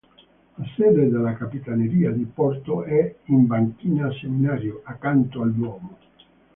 La sede della Capitaneria di Porto è in Banchina Seminario, accanto al Duomo.